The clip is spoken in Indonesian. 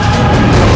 untuk bisa pulih jadi